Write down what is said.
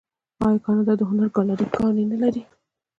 آیا کاناډا د هنر ګالري ګانې نلري؟